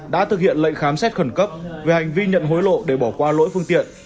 đã thực hiện lệnh khám xét khẩn cấp về hành vi nhận hối lộ để bỏ qua lỗi phương tiện